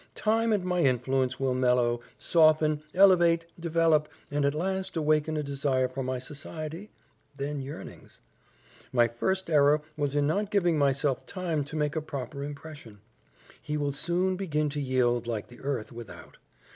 Time and my influence will mellow, soften, elevate, develop, and at last awaken a desire for my society, then yearnings. My first error was in not giving myself time to make a proper impression. He will soon begin to yield like the earth without.